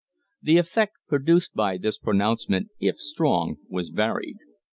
The effect produced by this pronouncement, if strong, was varied.